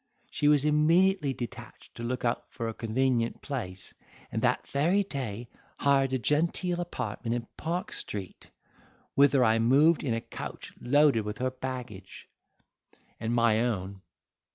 She was immediately detached to look out for a convenient place, and that very day hired a genteel apartment in Park Street, whither I moved in a couch loaded with her baggage, and my own.